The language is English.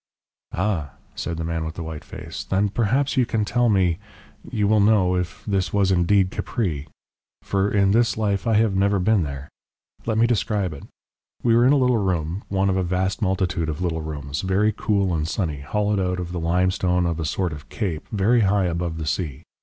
"Ah!" said the man with the white face; "then perhaps you can tell me you will know if this was indeed Capri. For in this life I have never been there. Let me describe it. We were in a little room, one of a vast multitude of little rooms, very cool and sunny, hollowed out of the limestone of a sort of cape, very high above the sea.